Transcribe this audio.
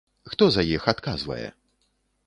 Хто за іх адказвае?